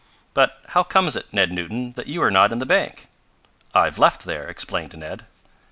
"But how comes it, Ned Newton, that you are not in the bank?" "I've left there," explained Ned.